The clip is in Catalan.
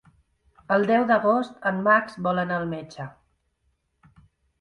El deu d'agost en Max vol anar al metge.